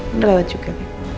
udah lewat juga